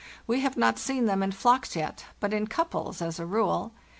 We have not seen them in flocks yet, but in couples, as a rule.